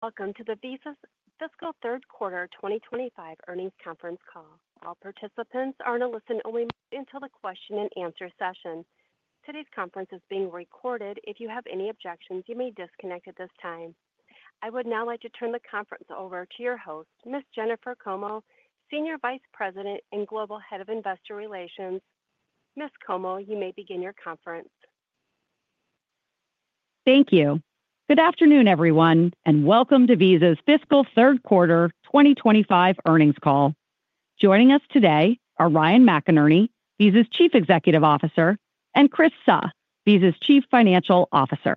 Welcome to the Visa Fiscal Third Quarter 2025 Earnings Conference Call. All participants are to listen only until the question-and-answer session. Today's conference is being recorded. If you have any objections, you may disconnect at this time. I would now like to turn the conference over to your host, Ms. Jennifer Como, Senior Vice President and Global Head of Investor Relations. Ms. Como, you may begin your conference. Thank you. Good afternoon, everyone, and welcome to Visa's Fiscal Third Quarter 2025 Earnings Call. Joining us today are Ryan McInerney, Visa's Chief Executive Officer, and Chris Suh, Visa's Chief Financial Officer.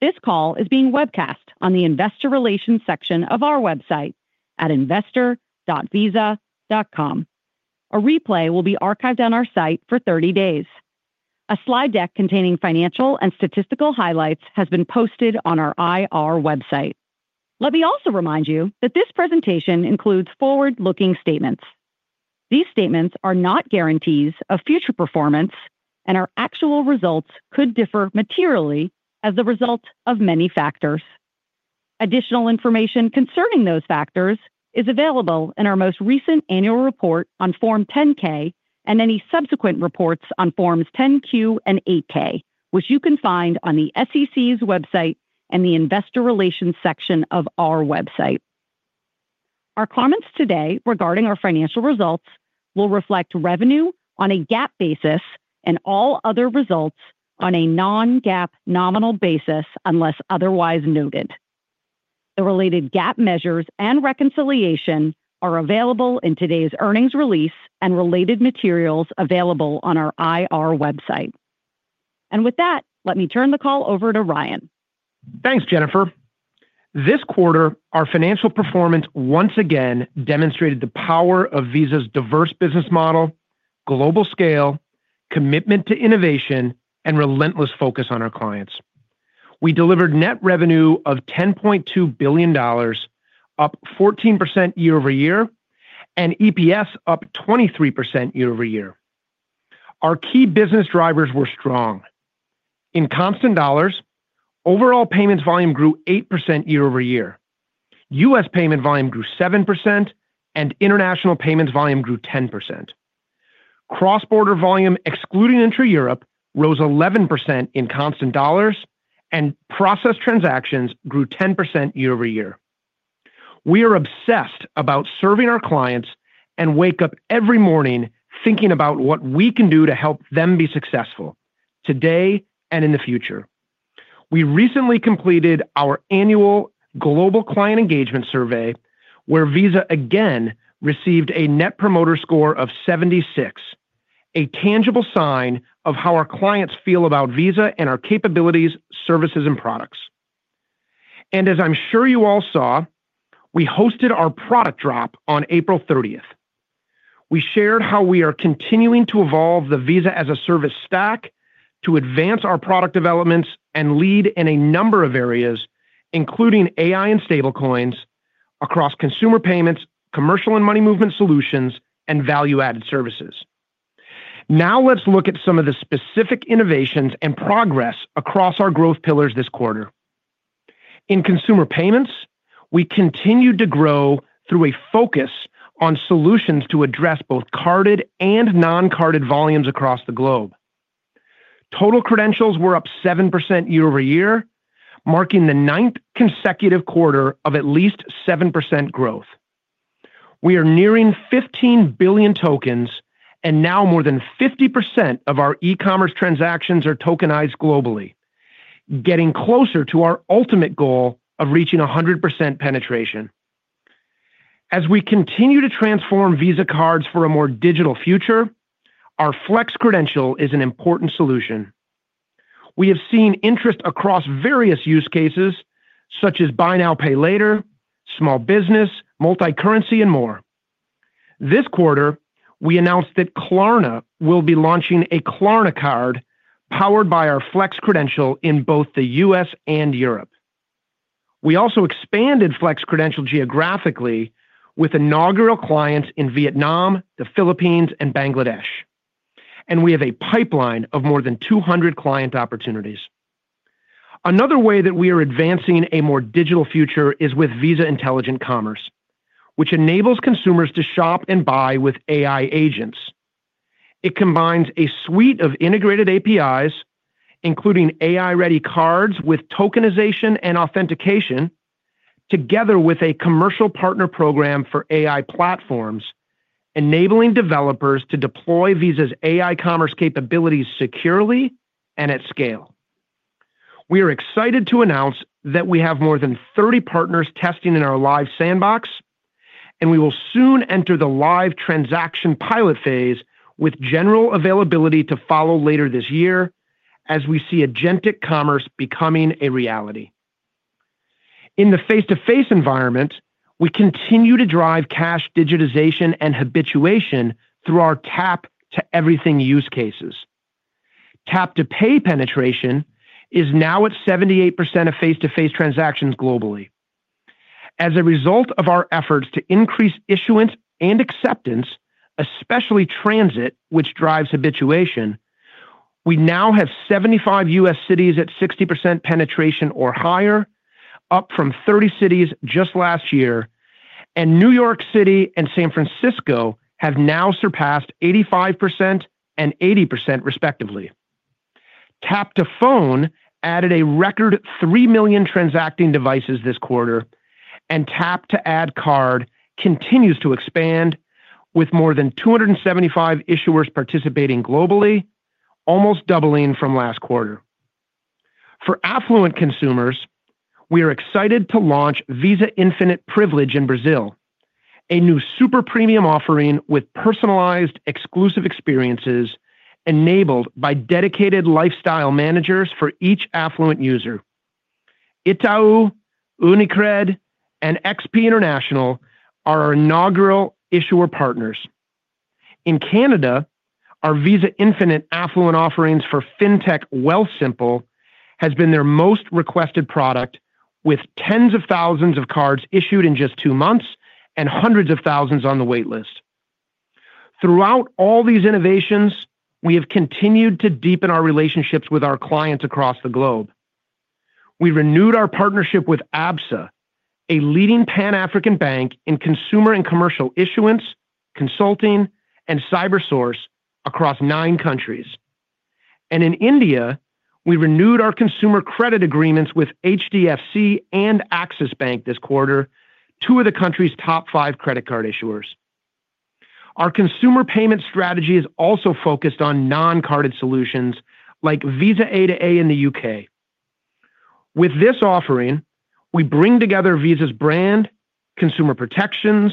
This call is being webcast on the Investor Relations section of our website at investor.visa.com. A replay will be archived on our site for 30 days. A slide deck containing financial and statistical highlights has been posted on our IR website. Let me also remind you that this presentation includes forward-looking statements. These statements are not guarantees of future performance, and our actual results could differ materially as the result of many factors. Additional information concerning those factors is available in our most recent annual report on Form 10-K and any subsequent reports on Forms 10-Q and 8-K, which you can find on the SEC's website and the Investor Relations section of our website. Our comments today regarding our financial results will reflect revenue on a GAAP basis and all other results on a non-GAAP nominal basis unless otherwise noted. The related GAAP measures and reconciliation are available in today's earnings release and related materials available on our IR website. With that, let me turn the call over to Ryan. Thanks, Jennifer. This quarter, our financial performance once again demonstrated the power of Visa's diverse business model, global scale, commitment to innovation, and relentless focus on our clients. We delivered net revenue of $10.2 billion, up 14% year-over-year, and EPS up 23% year-over-year. Our key business drivers were strong. In constant dollars, overall payments volume grew 8% year-over-year. U.S. payment volume grew 7%, and international payments volume grew 10%. Cross-border volume, excluding intra-Europe, rose 11% in constant dollars, and processed transactions grew 10% year-over-year. We are obsessed about serving our clients and wake up every morning thinking about what we can do to help them be successful today and in the future. We recently completed our annual global client engagement survey where Visa again received a net promoter score of 76, a tangible sign of how our clients feel about Visa and our capabilities, services, and products. As I'm sure you all saw, we hosted our product drop on April 30. We shared how we are continuing to evolve the Visa-as-a-Service stack to advance our product developments and lead in a number of areas, including AI and stablecoins, across consumer payments, commercial and money movement solutions, and value-added services. Now let's look at some of the specific innovations and progress across our growth pillars this quarter. In consumer payments, we continued to grow through a focus on solutions to address both carded and non-carded volumes across the globe. Total credentials were up 7% year-over-year, marking the ninth consecutive quarter of at least 7% growth. We are nearing 15 billion tokens, and now more than 50% of our e-commerce transactions are tokenized globally, getting closer to our ultimate goal of reaching 100% penetration. As we continue to transform Visa cards for a more digital future, our Flex credential is an important solution. We have seen interest across various use cases, such as buy now, pay later, small business, multi-currency, and more. This quarter, we announced that Klarna will be launching a Klarna card powered by our Flex credential in both the U.S. and Europe. We also expanded Flex credential geographically with inaugural clients in Vietnam, the Philippines, and Bangladesh, and we have a pipeline of more than 200 client opportunities. Another way that we are advancing a more digital future is with Visa Intelligent Commerce, which enables consumers to shop and buy with AI agents. It combines a suite of integrated APIs, including AI-ready cards with tokenization and authentication, together with a commercial partner program for AI platforms, enabling developers to deploy Visa's AI commerce capabilities securely and at scale. We are excited to announce that we have more than 30 partners testing in our live sandbox, and we will soon enter the live transaction pilot phase with general availability to follow later this year as we see agentic commerce becoming a reality. In the face-to-face environment, we continue to drive cash digitization and habituation through our tap-to-everything use cases. Tap-to-pay penetration is now at 78% of face-to-face transactions globally. As a result of our efforts to increase issuance and acceptance, especially transit, which drives habituation, we now have 75 U.S. cities at 60% penetration or higher, up from 30 cities just last year, and New York City and San Francisco have now surpassed 85% and 80%, respectively. Tap-to-Phone added a record 3 million transacting devices this quarter, and Tap-to-Add card continues to expand with more than 275 issuers participating globally, almost doubling from last quarter. For affluent consumers, we are excited to launch Visa Infinite Privilege in Brazil, a new super premium offering with personalized exclusive experiences enabled by dedicated lifestyle managers for each affluent user. Itaú, Unicred, and XP International are our inaugural issuer partners. In Canada, our Visa Infinite affluent offerings for fintech Wealth simple have been their most requested product, with tens of thousands of cards issued in just two months and hundreds of thousands on the waitlist. Throughout all these innovations, we have continued to deepen our relationships with our clients across the globe. We renewed our partnership with ABSA, a leading Pan-African bank in consumer and commercial issuance, consulting, and CyberSource across nine countries. In India, we renewed our consumer credit agreements with HDFC and Axis Bank this quarter, two of the country's top five credit card issuers. Our consumer payment strategy is also focused on non-carded solutions like Visa A&A in the U.K. With this offering, we bring together Visa's brand, consumer protections,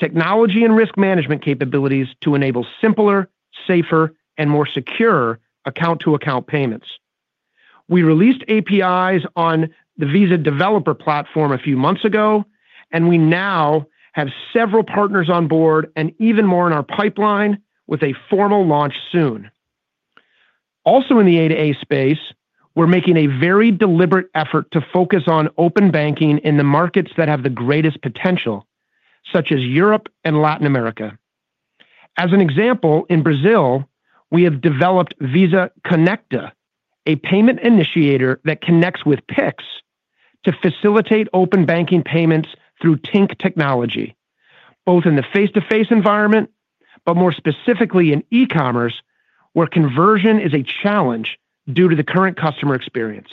technology, and risk management capabilities to enable simpler, safer, and more secure account-to-account payments. We released APIs on the Visa Developer platform a few months ago, and we now have several partners on board and even more in our pipeline with a formal launch soon. Also in the A&A space, we're making a very deliberate effort to focus on open banking in the markets that have the greatest potential, such as Europe and Latin America. As an example, in Brazil, we have developed Visa Conecta, a payment initiator that connects with PIX to facilitate open banking payments through TINC technology, both in the face-to-face environment, but more specifically in e-commerce, where conversion is a challenge due to the current customer experience.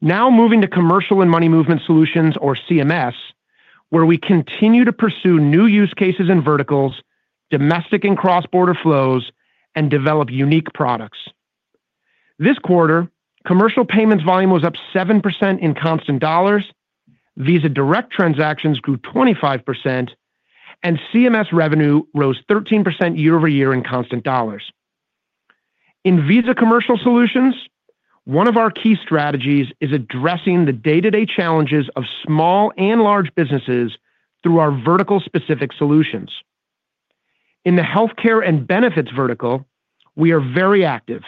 Now moving to commercial and money movement solutions, or CMS, where we continue to pursue new use cases and verticals, domestic and cross-border flows, and develop unique products. This quarter, commercial payments volume was up 7% in constant dollars, Visa Direct transactions grew 25%, and CMS revenue rose 13% year-over-year in constant dollars. In Visa Commercial Solutions, one of our key strategies is addressing the day-to-day challenges of small and large businesses through our vertical-specific solutions. In the healthcare and benefits vertical, we are very active,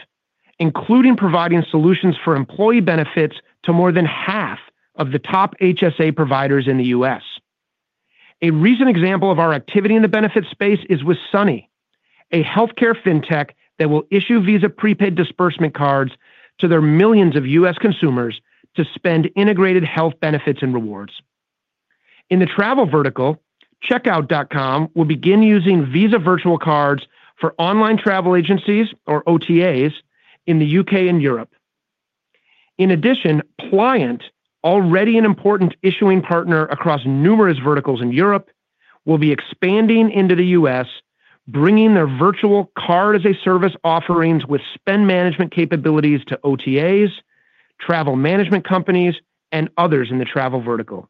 including providing solutions for employee benefits to more than half of the top HSA providers in the U.S. A recent example of our activity in the benefits space is with Sunny, a healthcare fintech that will issue Visa prepaid disbursement cards to their millions of U.S. consumers to spend integrated health benefits and rewards. In the travel vertical, Checkout.com will begin using Visa virtual cards for online travel agencies, or OTAs, in the U.K. and Europe. In addition, Pliant, already an important issuing partner across numerous verticals in Europe, will be expanding into the U.S., bringing their virtual card-as-a-service offerings with spend management capabilities to OTAs, travel management companies, and others in the travel vertical.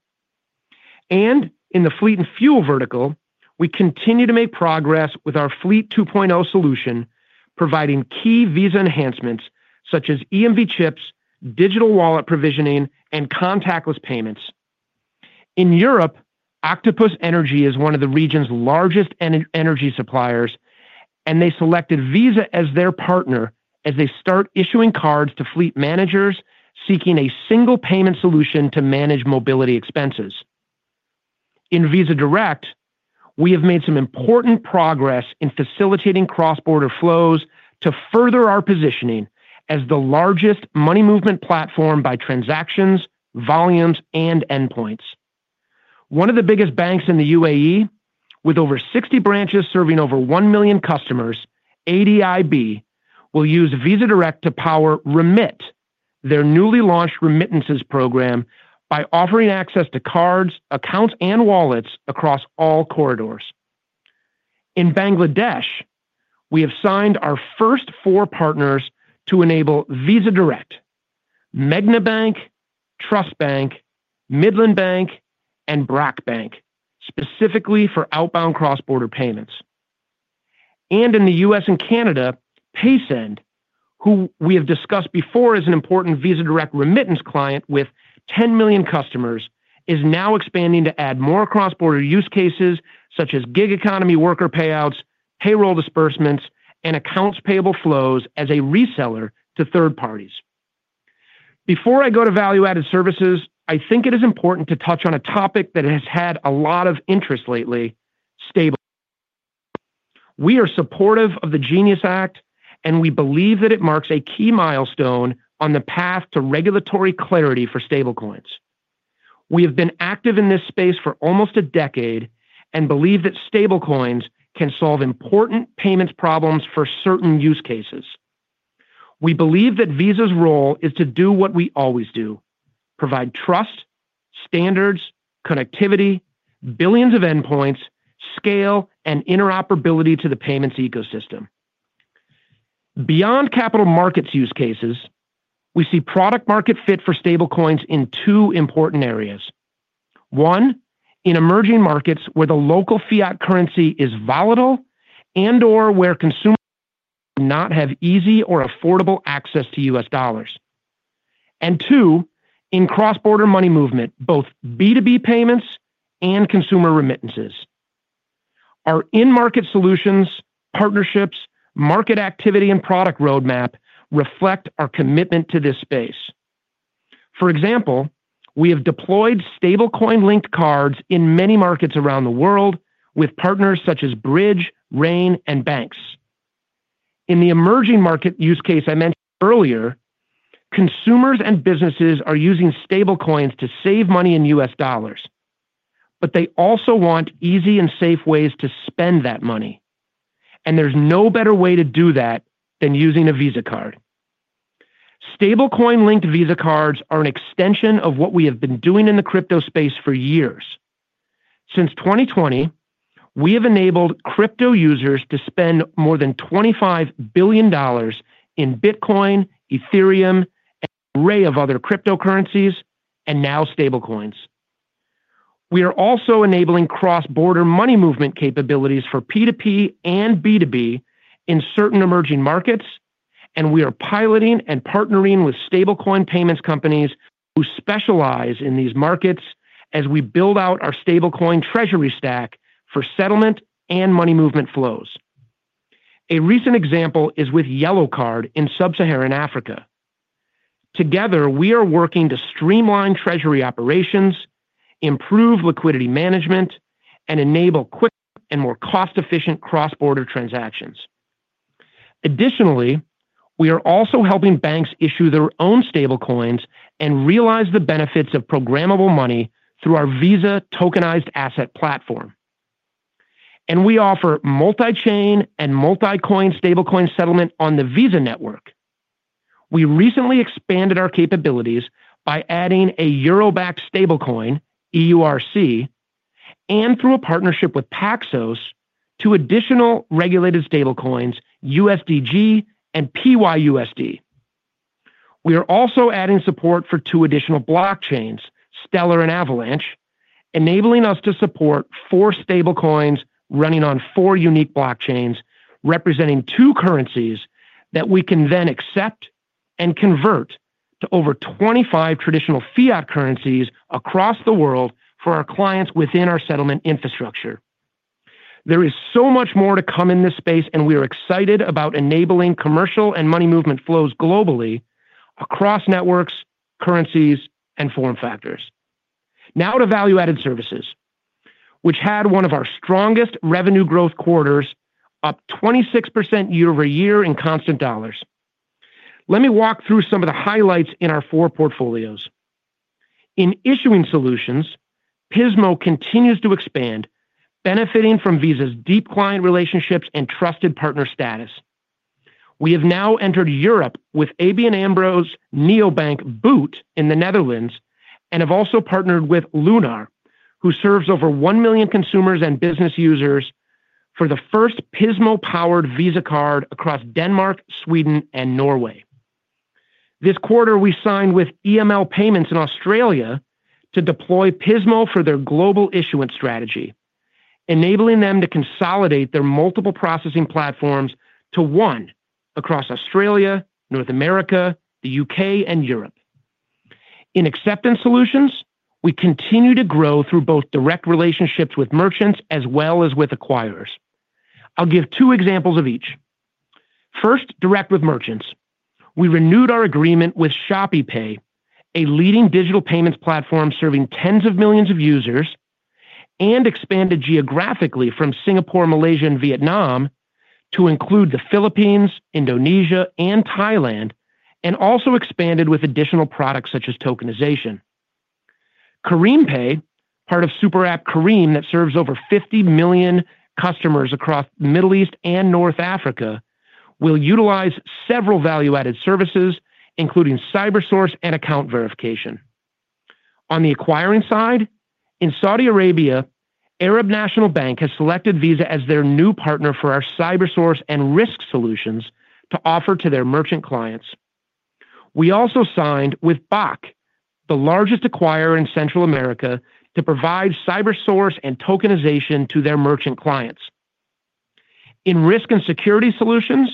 In the fleet and fuel vertical, we continue to make progress with our Fleet 2.0 solution, providing key Visa enhancements such as EMV chips, digital wallet provisioning, and contactless payments. In Europe, Octopus Energy is one of the region's largest energy suppliers, and they selected Visa as their partner as they start issuing cards to fleet managers seeking a single payment solution to manage mobility expenses. In Visa Direct, we have made some important progress in facilitating cross-border flows to further our positioning as the largest money movement platform by transactions, volumes, and endpoints. One of the biggest banks in the UAE, with over 60 branches serving over 1 million customers, ADIB, will use Visa Direct to power remit, their newly launched remittances program, by offering access to cards, accounts, and wallets across all corridors. In Bangladesh, we have signed our first four partners to enable Visa Direct: Magna Bank, Trust Bank, Midland Bank, and Brac Bank, specifically for outbound cross-border payments. In the U.S. and Canada, Paysend, who we have discussed before as an important Visa Direct remittance client with 10 million customers, is now expanding to add more cross-border use cases such as gig economy worker payouts, payroll disbursements, and accounts payable flows as a reseller to third parties. Before I go to value-added services, I think it is important to touch on a topic that has had a lot of interest lately: stablecoins. We are supportive of the Genius Act, and we believe that it marks a key milestone on the path to regulatory clarity for stablecoins. We have been active in this space for almost a decade and believe that stablecoins can solve important payments problems for certain use cases. We believe that Visa's role is to do what we always do provide trust, standards, connectivity, billions of endpoints, scale, and interoperability to the payments ecosystem. Beyond capital markets use cases, we see product-market fit for stablecoins in two important areas: one, in emerging markets where the local fiat currency is volatile and/or where consumers do not have easy or affordable access to U.S. dollars; and two, in cross-border money movement, both BB payments and consumer remittances. Our in-market solutions, partnerships, market activity, and product roadmap reflect our commitment to this space. For example, we have deployed stablecoin-linked cards in many markets around the world with partners such as Bridge, Rain, and banks. In the emerging market use case I mentioned earlier, consumers and businesses are using stablecoins to save money in U.S. dollars, but they also want easy and safe ways to spend that money, and there is no better way to do that than using a Visa card. Stablecoin-linked Visa cards are an extension of what we have been doing in the crypto space for years. Since 2020, we have enabled crypto users to spend more than $25 billion in Bitcoin, Ethereum, and an array of other cryptocurrencies, and now stablecoins. We are also enabling cross-border money movement capabilities for P2P and B2B in certain emerging markets, and we are piloting and partnering with stablecoin payments companies who specialize in these markets as we build out our stablecoin treasury stack for settlement and money movement flows. A recent example is with Yellow Card in Sub-Saharan Africa. Together, we are working to streamline treasury operations, improve liquidity management, and enable quicker and more cost-efficient cross-border transactions. Additionally, we are also helping banks issue their own stablecoins and realize the benefits of programmable money through our Visa Tokenized Asset Platform. We offer multi-chain and multi-coin stablecoin settlement on the Visa network. We recently expanded our capabilities by adding a Euro-backed stablecoin, EURC, and through a partnership with Paxos to additional regulated stablecoins, USDG and PYUSD. We are also adding support for two additional blockchains, Stellar and Avalanche, enabling us to support four stablecoins running on four unique blockchains representing two currencies that we can then accept and convert to over 25 traditional fiat currencies across the world for our clients within our settlement infrastructure. There is so much more to come in this space, and we are excited about enabling commercial and money movement flows globally across networks, currencies, and form factors. Now to value-added services, which had one of our strongest revenue growth quarters, up 26% year-over-year in constant dollars. Let me walk through some of the highlights in our four portfolios. In issuing solutions, PISMO continues to expand, benefiting from Visa's deep client relationships and trusted partner status. We have now entered Europe with ABN AMRO's Neobank Boot in the Netherlands and have also partnered with Lunar, who serves over 1 million consumers and business users for the first PISMO-powered Visa card across Denmark, Sweden, and Norway. This quarter, we signed with EML Payments in Australia to deploy PISMO for their global issuance strategy, enabling them to consolidate their multiple processing platforms to one across Australia, North America, the U.K., and Europe. In acceptance solutions, we continue to grow through both direct relationships with merchants as well as with acquirers. I'll give two examples of each. First, direct with merchants. We renewed our agreement with ShopeePay, a leading digital payments platform serving tens of millions of users, and expanded geographically from Singapore, Malaysia, and Vietnam to include the Philippines, Indonesia, and Thailand, and also expanded with additional products such as tokenization. Kareem Pay, part of Super App Kareem that serves over 50 million customers across the Middle East and North Africa, will utilize several value-added services, including Cybersource and account verification. On the acquiring side, in Saudi Arabia, Arab National Bank has selected Visa as their new partner for our Cybersource and risk solutions to offer to their merchant clients. We also signed with BAC, the largest acquirer in Central America, to provide Cybersource and tokenization to their merchant clients. In risk and security solutions,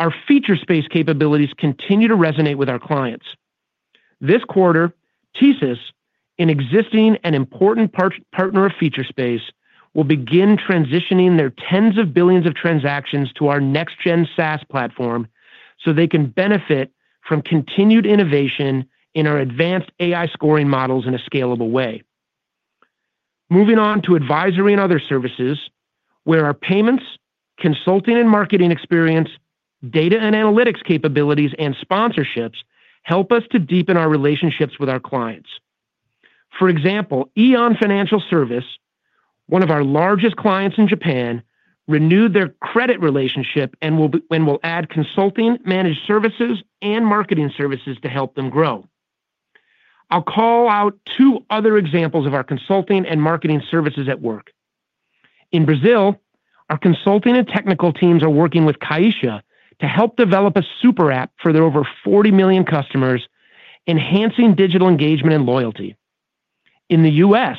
our Featurespace capabilities continue to resonate with our clients. This quarter, Tesis, an existing and important partner of Featurespace, will begin transitioning their tens of billions of transactions to our next-gen SaaS platform so they can benefit from continued innovation in our advanced AI scoring models in a scalable way. Moving on to advisory and other services, where our payments, consulting and marketing experience, data and analytics capabilities, and sponsorships help us to deepen our relationships with our clients. For example, Aeon Financial Service, one of our largest clients in Japan, renewed their credit relationship and will add consulting, managed services, and marketing services to help them grow. I'll call out two other examples of our consulting and marketing services at work. In Brazil, our consulting and technical teams are working with Caixa to help develop a super app for their over 40 million customers, enhancing digital engagement and loyalty. In the U.S.,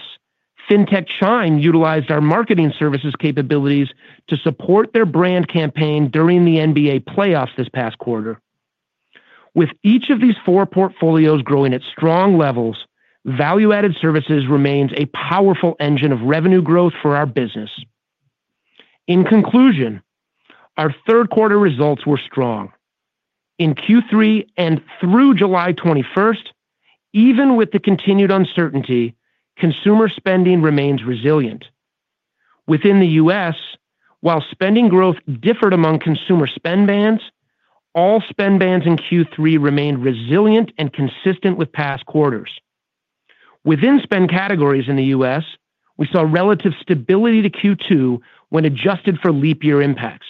fintech Shine utilized our marketing services capabilities to support their brand campaign during the NBA playoffs this past quarter. With each of these four portfolios growing at strong levels, value-added services remains a powerful engine of revenue growth for our business. In conclusion, our third quarter results were strong. In Q3 and through July 21, even with the continued uncertainty, consumer spending remains resilient. Within the U.S., while spending growth differed among consumer spend bands, all spend bands in Q3 remained resilient and consistent with past quarters. Within spend categories in the U.S., we saw relative stability to Q2 when adjusted for leap year impacts.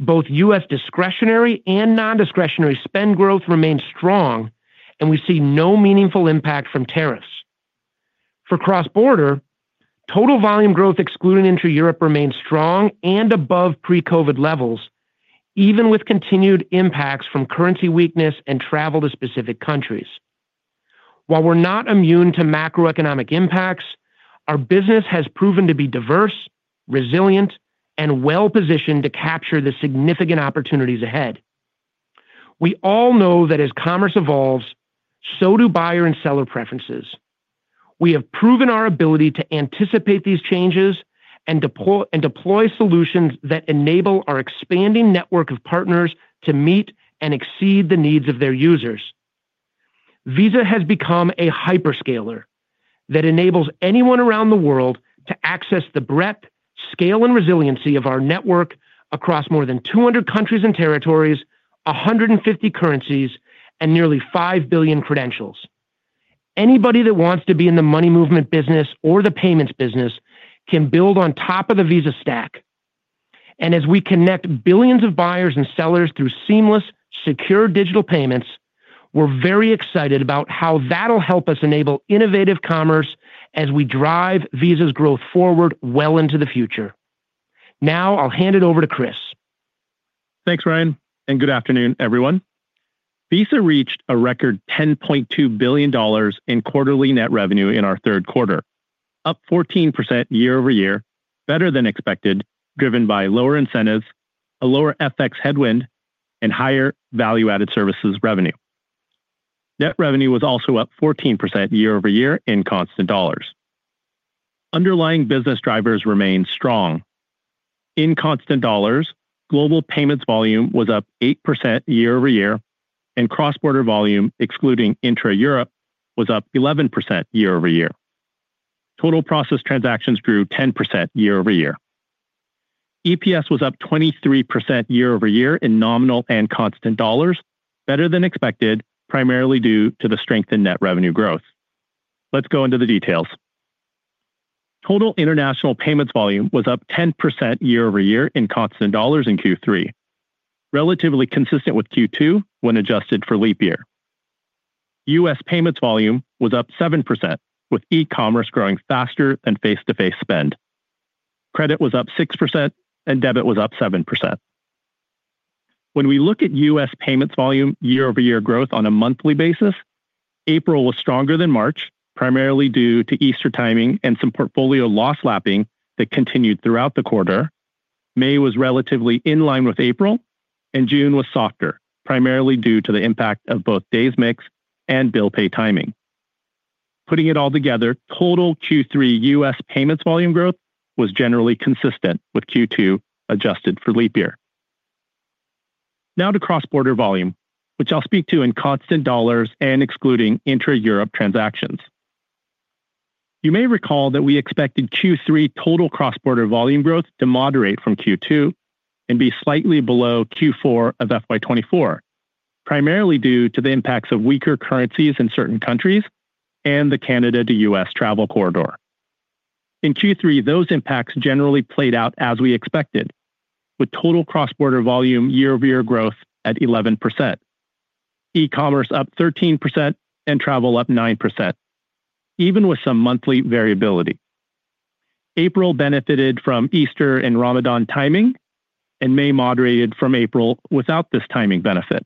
Both U.S. discretionary and non-discretionary spend growth remained strong, and we see no meaningful impact from tariffs. For cross-border, total volume growth excluding into Europe remained strong and above pre-COVID levels, even with continued impacts from currency weakness and travel to specific countries. While we are not immune to macroeconomic impacts, our business has proven to be diverse, resilient, and well-positioned to capture the significant opportunities ahead. We all know that as commerce evolves, so do buyer and seller preferences. We have proven our ability to anticipate these changes and deploy solutions that enable our expanding network of partners to meet and exceed the needs of their users. Visa has become a hyperscaler that enables anyone around the world to access the breadth, scale, and resiliency of our network across more than 200 countries and territories, 150 currencies, and nearly 5 billion credentials. Anybody that wants to be in the money movement business or the payments business can build on top of the Visa stack. As we connect billions of buyers and sellers through seamless, secure digital payments, we're very excited about how that'll help us enable innovative commerce as we drive Visa's growth forward well into the future. Now I'll hand it over to Chris. Thanks, Ryan, and good afternoon, everyone. Visa reached a record $10.2 billion in quarterly net revenue in our third quarter, up 14% year-over-year, better than expected, driven by lower incentives, a lower FX headwind, and higher value-added services revenue. Net revenue was also up 14% year-over-year in constant dollars. Underlying business drivers remain strong. In constant dollars, global payments volume was up 8% year-over-year, and cross-border volume, excluding intra-Europe, was up 11% year-over-year. Total processed transactions grew 10% year-over-year. EPS was up 23% year-over-year in nominal and constant dollars, better than expected, primarily due to the strengthened net revenue growth. Let's go into the details. Total international payments volume was up 10% year-over-year in constant dollars in Q3, relatively consistent with Q2 when adjusted for leap year. U.S. payments volume was up 7%, with e-commerce growing faster than face-to-face spend. Credit was up 6%, and debit was up 7%. When we look at U.S. Payments volume year-over-year growth on a monthly basis, April was stronger than March, primarily due to Easter timing and some portfolio loss lapping that continued throughout the quarter. May was relatively in line with April, and June was softer, primarily due to the impact of both day's mix and bill pay timing. Putting it all together, total Q3 U.S. payments volume growth was generally consistent with Q2 adjusted for leap year. Now to cross-border volume, which I'll speak to in constant dollars and excluding intra-Europe transactions. You may recall that we expected Q3 total cross-border volume growth to moderate from Q2 and be slightly below Q4 of 2024, primarily due to the impacts of weaker currencies in certain countries and the Canada to U.S. travel corridor. In Q3, those impacts generally played out as we expected, with total cross-border volume year-over-year growth at 11%, e-commerce up 13%, and travel up 9%, even with some monthly variability. April benefited from Easter and Ramadan timing, and May moderated from April without this timing benefit.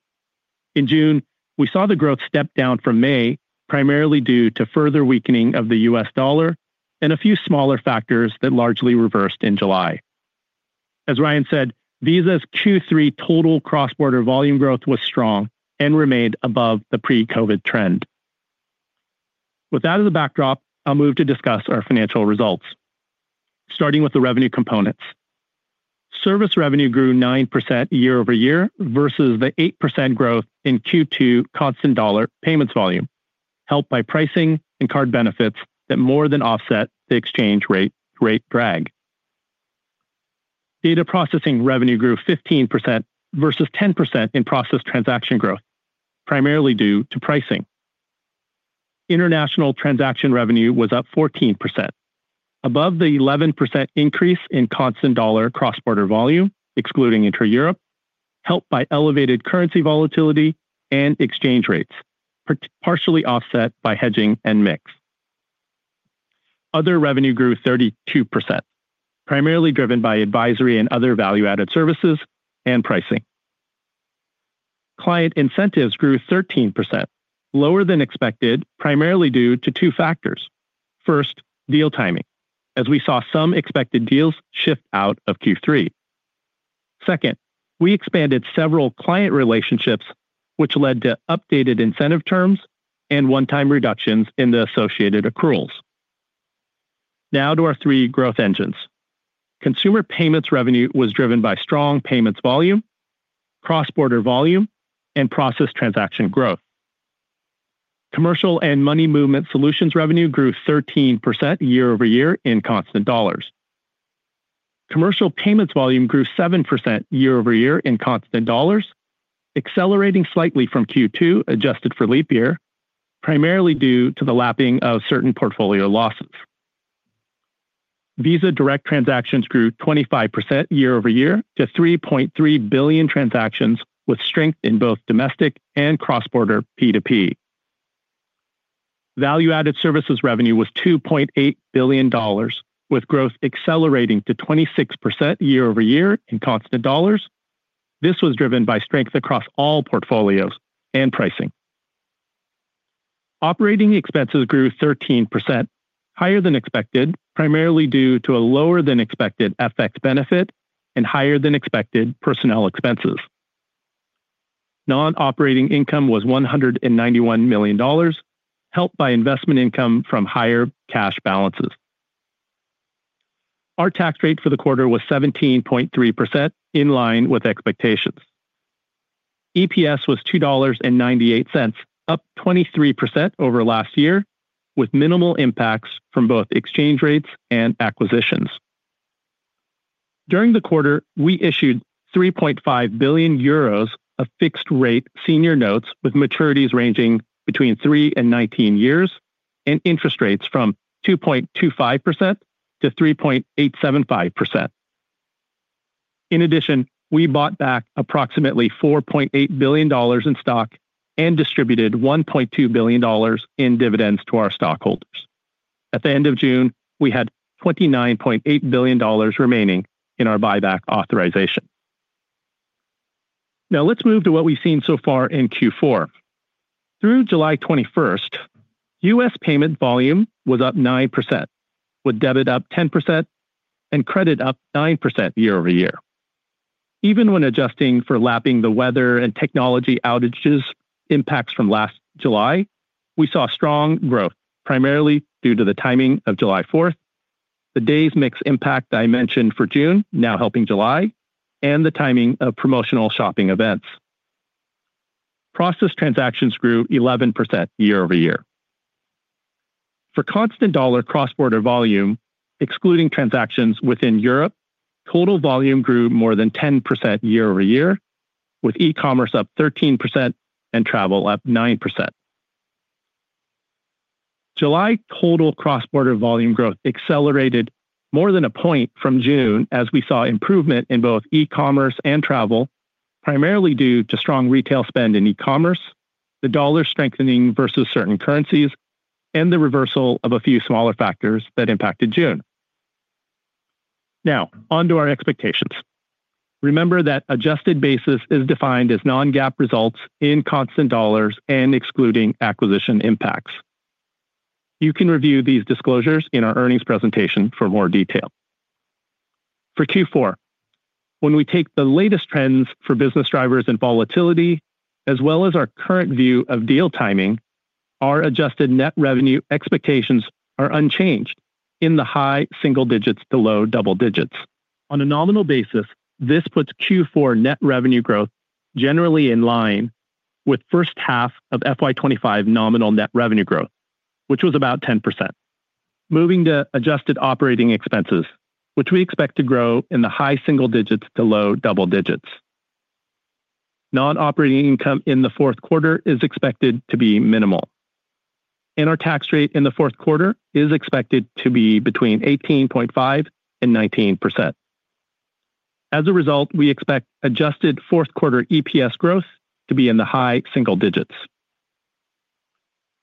In June, we saw the growth step down from May, primarily due to further weakening of the U.S. dollar and a few smaller factors that largely reversed in July. As Ryan said, Visa's Q3 total cross-border volume growth was strong and remained above the pre-COVID trend. With that as a backdrop, I'll move to discuss our financial results, starting with the revenue components. Service revenue grew 9% year-over-year versus the 8% growth in Q2 constant dollar payments volume, helped by pricing and card benefits that more than offset the exchange rate drag. Data processing revenue grew 15% versus 10% in processed transaction growth, primarily due to pricing. International transaction revenue was up 14%, above the 11% increase in constant dollar cross-border volume, excluding intra-Europe, helped by elevated currency volatility and exchange rates, partially offset by hedging and mix. Other revenue grew 32%, primarily driven by advisory and other value-added services and pricing. Client incentives grew 13%, lower than expected, primarily due to two factors. First, deal timing, as we saw some expected deals shift out of Q3. Second, we expanded several client relationships, which led to updated incentive terms and one-time reductions in the associated accruals. Now to our three growth engines. Consumer payments revenue was driven by strong payments volume, cross-border volume, and processed transaction growth. Commercial and money movement solutions revenue grew 13% year-over-year in constant dollars. Commercial payments volume grew 7% year-over-year in constant dollars, accelerating slightly from Q2 adjusted for leap year, primarily due to the lapping of certain portfolio losses. Visa Direct transactions grew 25% year-over-year to 3.3 billion transactions, with strength in both domestic and cross-border P2P. Value-added services revenue was $2.8 billion, with growth accelerating to 26% year-over-year in constant dollars. This was driven by strength across all portfolios and pricing. Operating expenses grew 13%, higher than expected, primarily due to a lower than expected FX benefit and higher than expected personnel expenses. Non-operating income was $191 million, helped by investment income from higher cash balances. Our tax rate for the quarter was 17.3%, in line with expectations. EPS was $2.98, up 23% over last year, with minimal impacts from both exchange rates and acquisitions. During the quarter, we issued 3.5 billion euros of fixed-rate senior notes with maturities ranging between 3 and 19 years and interest rates from 2.25% to 3.875%. In addition, we bought back approximately $4.8 billion in stock and distributed $1.2 billion in dividends to our stockholders. At the end of June, we had $29.8 billion remaining in our buyback authorization. Now let's move to what we've seen so far in Q4. Through July 21, U.S. payment volume was up 9%, with debit up 10% and credit up 9% year-over-year. Even when adjusting for lapping the weather and technology outages impacts from last July, we saw strong growth, primarily due to the timing of July 4, the day's mix impact I mentioned for June, now helping July, and the timing of promotional shopping events. Processed transactions grew 11% year-over-year. For constant dollar cross-border volume, excluding transactions within Europe, total volume grew more than 10% year-over-year, with e-commerce up 13% and travel up 9%. July total cross-border volume growth accelerated more than a point from June, as we saw improvement in both e-commerce and travel, primarily due to strong retail spend in e-commerce, the dollar strengthening versus certain currencies, and the reversal of a few smaller factors that impacted June. Now on to our expectations. Remember that adjusted basis is defined as non-GAAP results in constant dollars and excluding acquisition impacts. You can review these disclosures in our earnings presentation for more detail. For Q4, when we take the latest trends for business drivers and volatility, as well as our current view of deal timing, our adjusted net revenue expectations are unchanged in the high single digits to low double digits. On a nominal basis, this puts Q4 net revenue growth generally in line with first half of FY2025 nominal net revenue growth, which was about 10%. Moving to adjusted operating expenses, which we expect to grow in the high single digits to low double digits. Non-operating income in the fourth quarter is expected to be minimal, and our tax rate in the fourth quarter is expected to be between 18.5% and 19%. As a result, we expect adjusted fourth quarter EPS growth to be in the high single digits.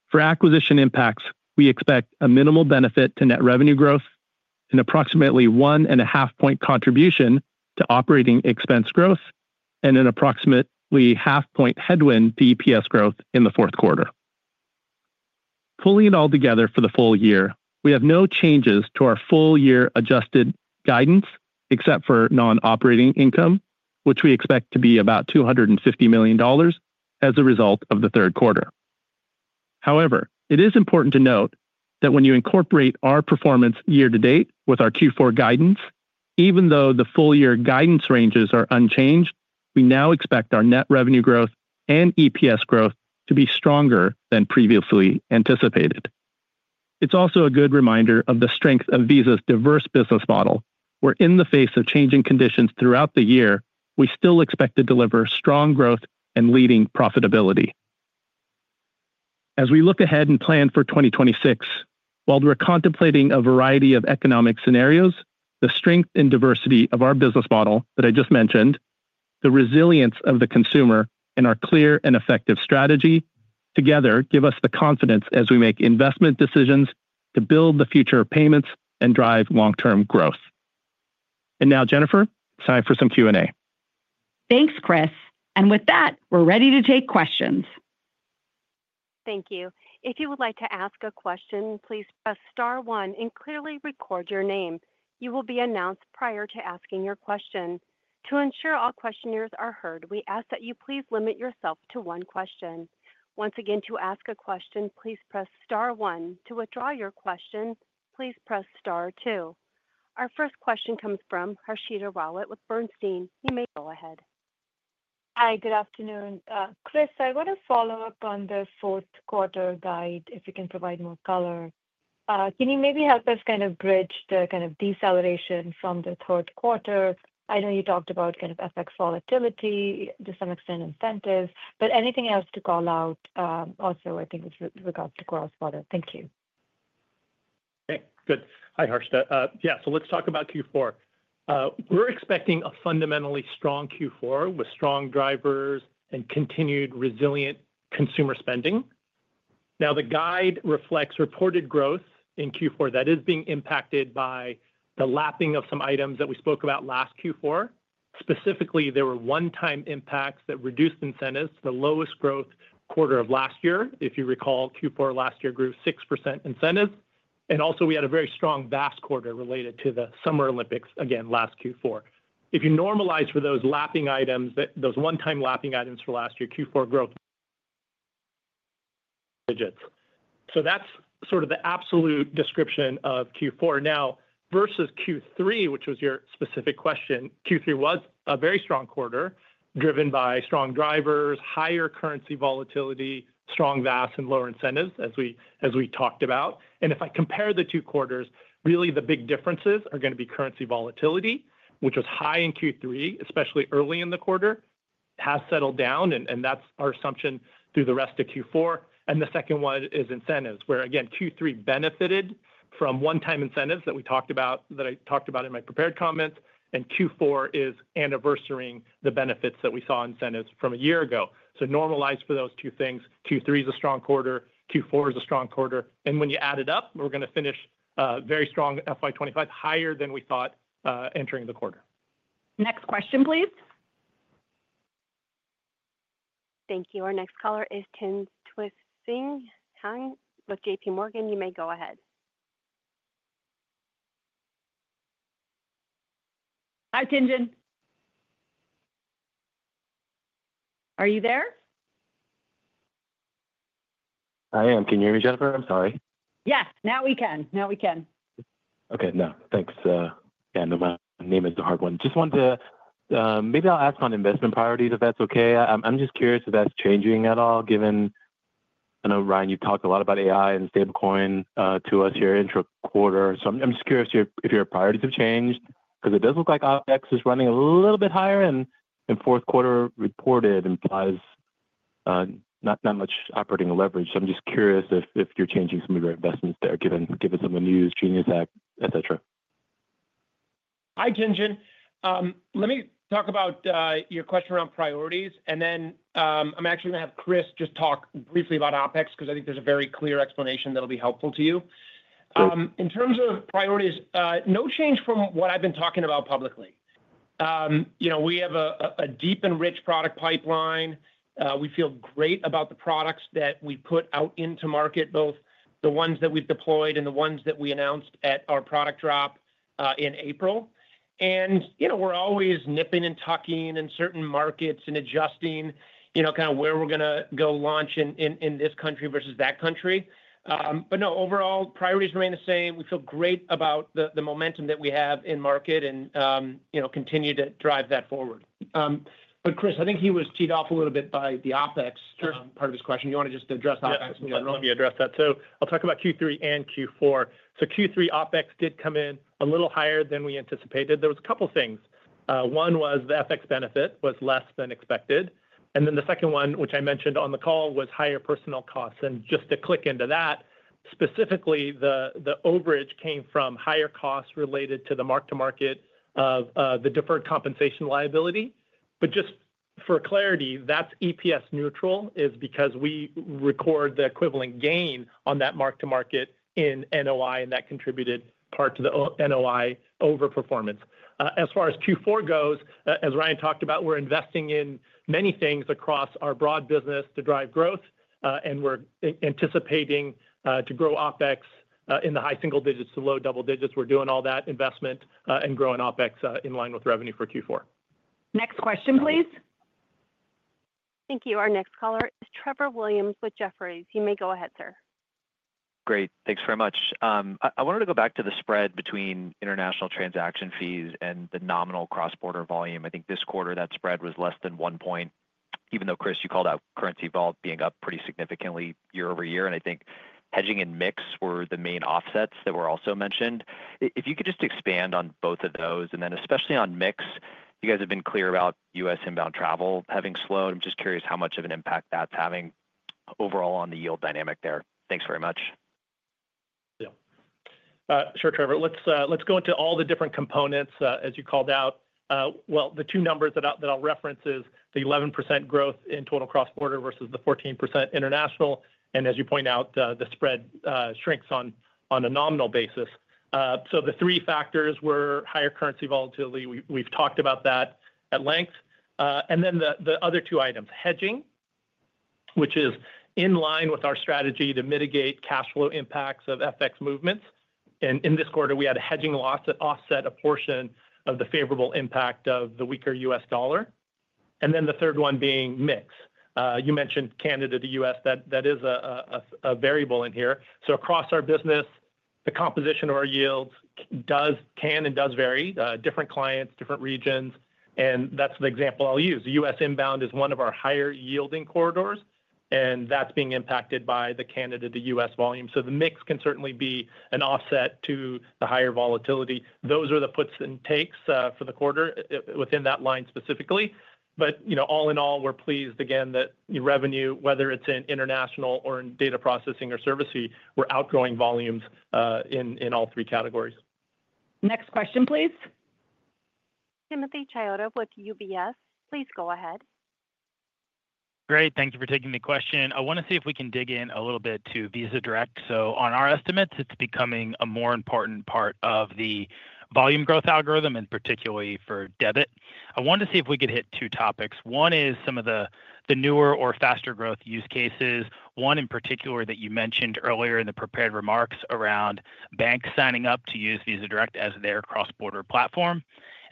For acquisition impacts, we expect a minimal benefit to net revenue growth, an approximately one and a half point contribution to operating expense growth, and an approximately half point headwind to EPS growth in the fourth quarter. Pulling it all together for the full year, we have no changes to our full year adjusted guidance, except for non-operating income, which we expect to be about $250 million as a result of the third quarter. However, it is important to note that when you incorporate our performance year to date with our Q4 guidance, even though the full year guidance ranges are unchanged, we now expect our net revenue growth and EPS growth to be stronger than previously anticipated. It's also a good reminder of the strength of Visa's diverse business model, where in the face of changing conditions throughout the year, we still expect to deliver strong growth and leading profitability. As we look ahead and plan for 2026, while we're contemplating a variety of economic scenarios, the strength and diversity of our business model that I just mentioned, the resilience of the consumer, and our clear and effective strategy together give us the confidence as we make investment decisions to build the future of payments and drive long-term growth. Now, Jennifer, it's time for some Q&A. Thanks, Chris. With that, we're ready to take questions. Thank you. If you would like to ask a question, please press star one and clearly record your name. You will be announced prior to asking your question. To ensure all questionnaires are heard, we ask that you please limit yourself to one question. Once again, to ask a question, please press star one. To withdraw your question, please press star two. Our first question comes from Harshita Rowlett with Bernstein. You may go ahead. Hi, good afternoon. Chris, I want to follow up on the fourth quarter guide, if you can provide more color. Can you maybe help us kind of bridge the kind of deceleration from the third quarter? I know you talked about kind of FX volatility, to some extent incentives, but anything else to call out also, I think, with regards to cross-border? Thank you. Okay, good. Hi, Harshita. Yeah, so let's talk about Q4. We're expecting a fundamentally strong Q4 with strong drivers and continued resilient consumer spending. Now, the guide reflects reported growth in Q4 that is being impacted by the lapping of some items that we spoke about last Q4. Specifically, there were one-time impacts that reduced incentives to the lowest growth quarter of last year. If you recall, Q4 last year grew 6% incentives. We had a very strong VAS quarter related to the Summer Olympics, again, last Q4. If you normalize for those lapping items, those one-time lapping items for last year, Q4 growth. That is sort of the absolute description of Q4. Now, versus Q3, which was your specific question, Q3 was a very strong quarter, driven by strong drivers, higher currency volatility, strong VAS, and lower incentives, as we talked about. If I compare the two quarters, really the big differences are going to be currency volatility, which was high in Q3, especially early in the quarter, has settled down, and that is our assumption through the rest of Q4. The second one is incentives, where, again, Q3 benefited from one-time incentives that we talked about, that I talked about in my prepared comments, and Q4 is anniversarying the benefits that we saw incentives from a year ago. Normalize for those two things. Q3 is a strong quarter. Q4 is a strong quarter. And when you add it up, we're going to finish very strong FY25, higher than we thought entering the quarter. Next question, please. Thank you. Our next caller is Tinjen Thuysbaert with JPMorgan. You may go ahead. Hi, Tinjen. Are you there? I am. Can you hear me, Jennifer? I'm sorry. Yes, now we can. Now we can. Okay, no. Thanks. Yeah, no, my name is the hard one. Just wanted to, maybe I'll ask on investment priorities, if that's okay. I'm just curious if that's changing at all, given, I know, Ryan, you've talked a lot about AI and stablecoin to us here intra quarter. I'm just curious if your priorities have changed, because it does look like OpEx is running a little bit higher in fourth quarter reported, implies not much operating leverage. I'm just curious if you're changing some of your investments there, given some of the news, Genius Act, etc. Hi, Tinjen. Let me talk about your question around priorities, and then I'm actually going to have Chris just talk briefly about OpEx, because I think there's a very clear explanation that'll be helpful to you. In terms of priorities, no change from what I've been talking about publicly. We have a deep and rich product pipeline. We feel great about the products that we put out into market, both the ones that we've deployed and the ones that we announced at our product drop in April. We're always nipping and tucking in certain markets and adjusting kind of where we're going to go launch in this country versus that country. No, overall, priorities remain the same. We feel great about the momentum that we have in market and continue to drive that forward. Chris, I think he was teed off a little bit by the OpEx part of his question. You want to just address OpEx in general? Let me address that. I'll talk about Q3 and Q4. Q3, OpEx did come in a little higher than we anticipated. There was a couple of things. One was the FX benefit was less than expected. The second one, which I mentioned on the call, was higher personal costs. Just to click into that, specifically, the overage came from higher costs related to the mark-to-market of the deferred compensation liability. Just for clarity, that's EPS neutral, is because we record the equivalent gain on that mark-to-market in NOI, and that contributed part to the NOI overperformance. As far as Q4 goes, as Ryan talked about, we're investing in many things across our broad business to drive growth, and we're anticipating to grow OpEx in the high single digits to low double digits. We're doing all that investment and growing OpEx in line with revenue for Q4. Next question, please. Thank you. Our next caller is Trevor Williams with Jefferies. You may go ahead, sir. Great. Thanks very much. I wanted to go back to the spread between international transaction fees and the nominal cross-border volume. I think this quarter that spread was less than one point, even though, Chris, you called out currency vault being up pretty significantly year over year, and I think hedging and mix were the main offsets that were also mentioned. If you could just expand on both of those, and then especially on mix, you guys have been clear about U.S. inbound travel having slowed. I'm just curious how much of an impact that's having overall on the yield dynamic there. Thanks very much. Yeah. Sure, Trevor. Let's go into all the different components, as you called out. The two numbers that I'll reference is the 11% growth in total cross-border versus the 14% international. As you point out, the spread shrinks on a nominal basis. The three factors were higher currency volatility. We've talked about that at length. The other two items, hedging, which is in line with our strategy to mitigate cash flow impacts of FX movements. In this quarter, we had a hedging loss that offset a portion of the favorable impact of the weaker U.S. dollar. The third one being mix. You mentioned Canada to U.S. That is a variable in here. Across our business, the composition of our yields can and does vary. Different clients, different regions. That is the example I will use. The U.S. inbound is one of our higher yielding corridors, and that is being impacted by the Canada to U.S. volume. The mix can certainly be an offset to the higher volatility. Those are the puts and takes for the quarter within that line specifically. All in all, we're pleased, again, that revenue, whether it's in international or in data processing or services, we're outgrowing volumes in all three categories. Next question, please. Timothy Cha with UBS. Please go ahead. Great. Thank you for taking the question. I want to see if we can dig in a little bit to Visa Direct. On our estimates, it's becoming a more important part of the volume growth algorithm, and particularly for debit. I wanted to see if we could hit two topics. One is some of the newer or faster growth use cases. One in particular that you mentioned earlier in the prepared remarks around banks signing up to use Visa Direct as their cross-border platform.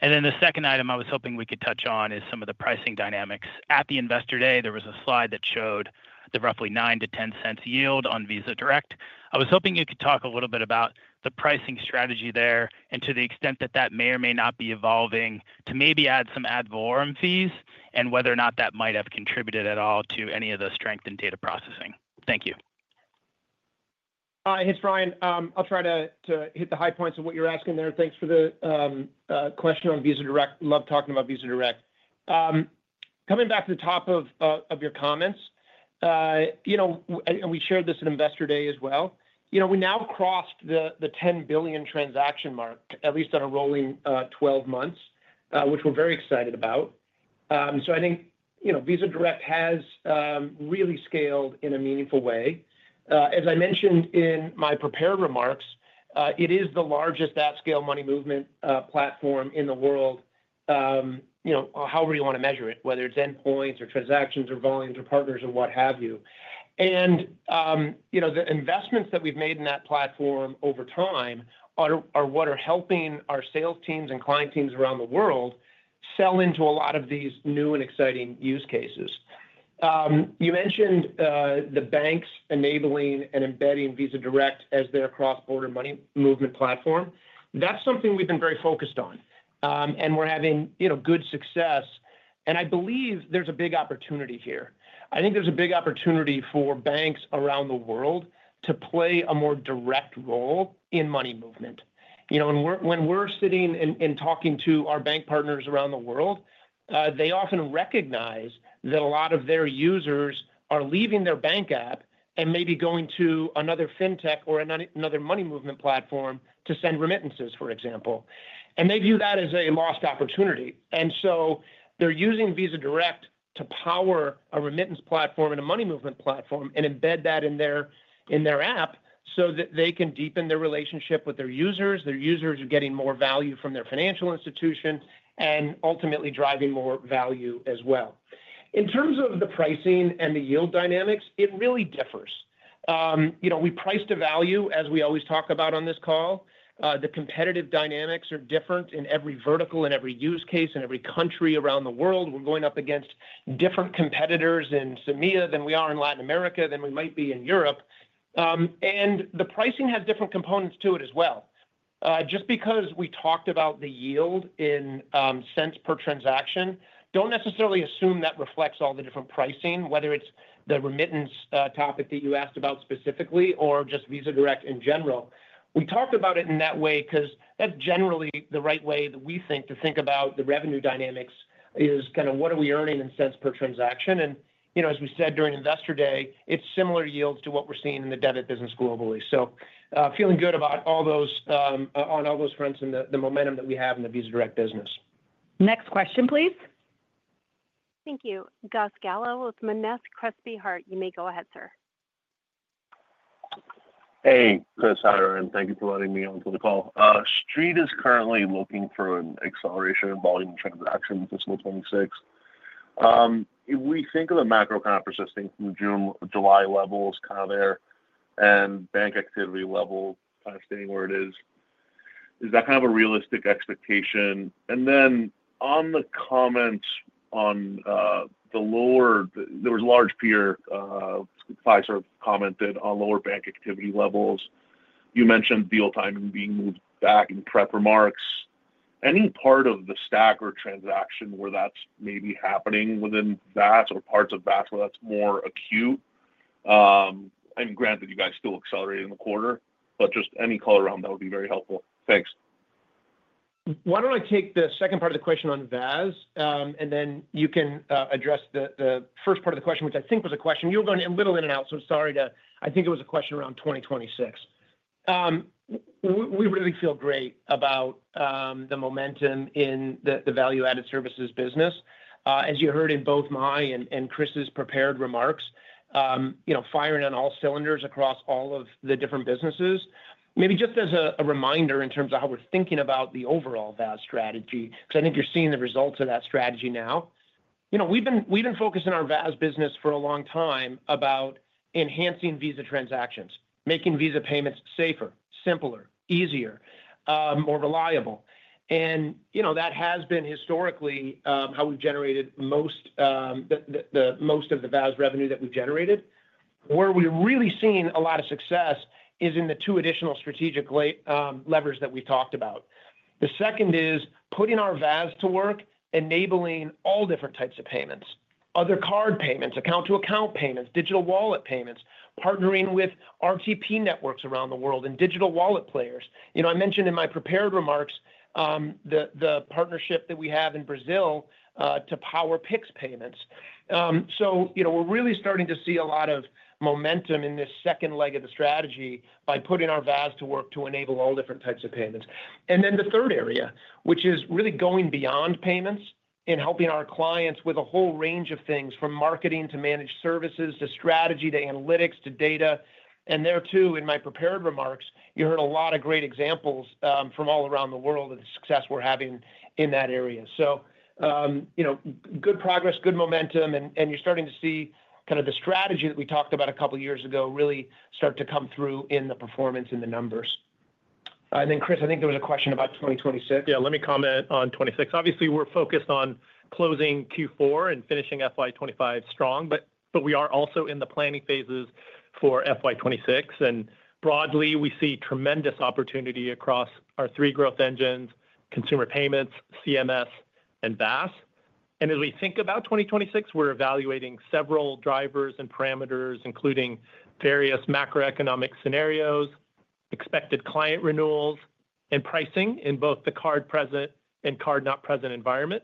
The second item I was hoping we could touch on is some of the pricing dynamics. At the investor day, there was a slide that showed the roughly 9-10 cents yield on Visa Direct. I was hoping you could talk a little bit about the pricing strategy there and to the extent that that may or may not be evolving to maybe add some ad valorem fees and whether or not that might have contributed at all to any of the strength in data processing. Thank you. Hi, it's Ryan. I'll try to hit the high points of what you're asking there. Thanks for the question on Visa Direct. Love talking about Visa Direct. Coming back to the top of your comments, and we shared this at investor day as well, we now crossed the 10 billion transaction mark, at least on a rolling 12 months, which we're very excited about. I think Visa Direct has really scaled in a meaningful way. As I mentioned in my prepared remarks, it is the largest at-scale money movement platform in the world, however you want to measure it, whether it's endpoints or transactions or volumes or partners or what have you. The investments that we've made in that platform over time are what are helping our sales teams and client teams around the world sell into a lot of these new and exciting use cases. You mentioned the banks enabling and embedding Visa Direct as their cross-border money movement platform. That is something we've been very focused on, and we're having good success. I believe there's a big opportunity here. I think there's a big opportunity for banks around the world to play a more direct role in money movement. When we're sitting and talking to our bank partners around the world, they often recognize that a lot of their users are leaving their bank app and maybe going to another fintech or another money movement platform to send remittances, for example. They view that as a lost opportunity. They are using Visa Direct to power a remittance platform and a money movement platform and embed that in their app so that they can deepen their relationship with their users. Their users are getting more value from their financial institution and ultimately driving more value as well. In terms of the pricing and the yield dynamics, it really differs. We price to value, as we always talk about on this call. The competitive dynamics are different in every vertical, in every use case, in every country around the world. We're going up against different competitors in Syria than we are in Latin America, than we might be in Europe. The pricing has different components to it as well. Just because we talked about the yield in cents per transaction, do not necessarily assume that reflects all the different pricing, whether it's the remittance topic that you asked about specifically or just Visa Direct in general. We talked about it in that way because that's generally the right way that we think to think about the revenue dynamics is kind of what are we earning in cents per transaction. As we said during investor day, it's similar yields to what we're seeing in the debit business globally. Feeling good about on all those fronts and the momentum that we have in the Visa Direct business. Next question, please. Thank you. Gus Gallo with Monness, Crespi, Hard. You may go ahead, sir. Hey, Chris Suh. Thank you for letting me on for the call. Street is currently looking for an acceleration in volume transactions this 2026. If we think of the macro kind of persisting from June or July levels kind of there and bank activity level kind of staying where it is, is that kind of a realistic expectation? On the comments on the lower, there was large peer Fiserv commented on lower bank activity levels. You mentioned deal timing being moved back in prep remarks. Any part of the stack or transaction where that is maybe happening within VAS or parts of VAS where that is more acute? I mean, granted, you guys still accelerating the quarter, but just any color around that would be very helpful. Thanks. Why do not I take the second part of the question on VAS, and then you can address the first part of the question, which I think was a question. You were going a little in and out, so sorry to—I think it was a question around 2026. We really feel great about the momentum in the value-added services business. As you heard in both my and Chris's prepared remarks, firing on all cylinders across all of the different businesses, maybe just as a reminder in terms of how we are thinking about the overall VAS strategy, because I think you are seeing the results of that strategy now. We have been focused in our VAS business for a long time about enhancing Visa transactions, making Visa payments safer, simpler, easier, more reliable. That has been historically how we have generated the most of the VAS revenue that we have generated. Where we're really seeing a lot of success is in the two additional strategic levers that we talked about. The second is putting our VAS to work, enabling all different types of payments: other card payments, account-to-account payments, digital wallet payments, partnering with RTP networks around the world, and digital wallet players. I mentioned in my prepared remarks the partnership that we have in Brazil to power PIX payments. We are really starting to see a lot of momentum in this second leg of the strategy by putting our VAS to work to enable all different types of payments. Then the third area, which is really going beyond payments and helping our clients with a whole range of things from marketing to managed services to strategy to analytics to data. There too, in my prepared remarks, you heard a lot of great examples from all around the world of the success we're having in that area. Good progress, good momentum, and you're starting to see kind of the strategy that we talked about a couple of years ago really start to come through in the performance and the numbers. Chris, I think there was a question about 2026. Let me comment on 2026. Obviously, we're focused on closing Q4 and finishing FY25 strong, but we are also in the planning phases for FY26. Broadly, we see tremendous opportunity across our three growth engines: consumer payments, CMS, and VAS. As we think about 2026, we're evaluating several drivers and parameters, including various macroeconomic scenarios, expected client renewals, and pricing in both the card-present and card-not-present environment,